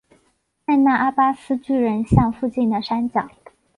塞那阿巴斯巨人像附近的山脚。